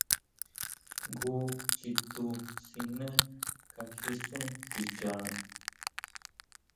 Jngu chitu siné kakji sún kicha nhán.